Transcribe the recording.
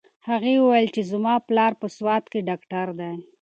هغې وویل چې زما پلار په سوات کې ډاکټر دی.